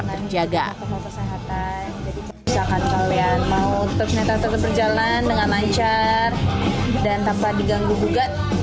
untuk kesehatan jadi keusahakan kalian mau tersenyatakan berjalan dengan lancar dan tanpa diganggu juga